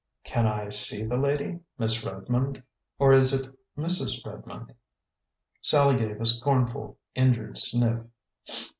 "Can I see the lady, Miss Redmond? Or is it Mrs. Redmond?" Sallie gave a scornful, injured sniff.